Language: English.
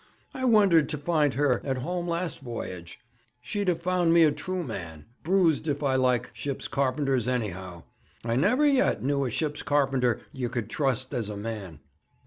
'I wondered to find her at home last voyage. She'd have found me a true man. Bruised if I like ship's carpenters, anyhow. I never yet knew a ship's carpenter yer could trust as a man.'